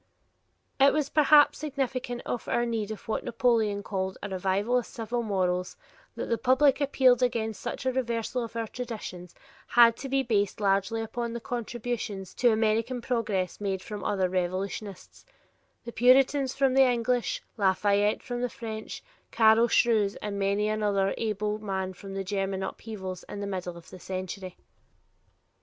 It was perhaps significant of our need of what Napoleon called a "revival of civic morals" that the public appeal against such a reversal of our traditions had to be based largely upon the contributions to American progress made from other revolutions; the Puritans from the English, Lafayette from the French, Carl Schurz and many another able man from the German upheavals in the middle of the century.